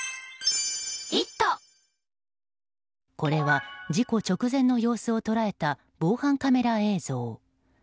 これは事故直前の様子を捉えた防犯カメラ映像。